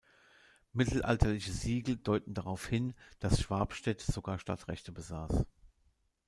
Mittelalterliche Siegel deuten darauf hin, dass Schwabstedt sogar Stadtrechte besaß.